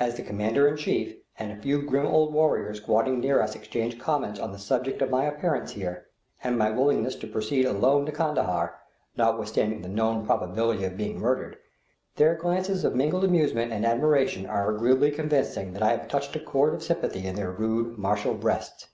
As the commander in chief and a few grim old warriors squatting near us exchange comments on the subject of my appearance here, and my willingness to proceed alone to Kandahar, notwithstanding the known probability of being murdered, their glances of mingled amusement and admiration are agreeably convincing that I have touched a chord of sympathy in their rude, martial breasts.